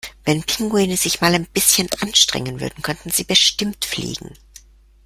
Wenn Pinguine sich mal ein bisschen anstrengen würden, könnten sie bestimmt fliegen!